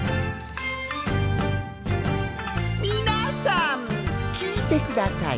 みなさんきいてください。